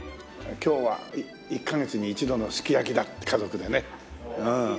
「今日は１カ月に一度のすき焼きだ」って家族でね。